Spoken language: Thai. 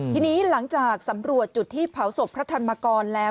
ทีนี้หลังจากสำรวจจุดที่เผาศพพระธรรมกรแล้ว